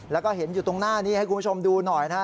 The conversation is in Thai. แล้วก็เห็นอยู่ตรงหน้านี้ให้คุณผู้ชมดูหน่อยนะฮะ